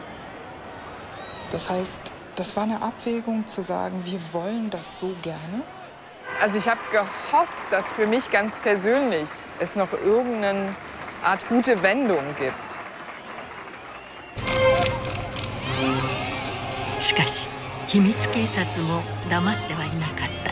掲げたのはしかし秘密警察も黙ってはいなかった。